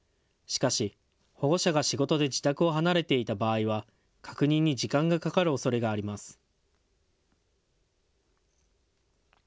しかし保護者が仕事で自宅を離れていた場合は確認に時間がかかるおそれがあります。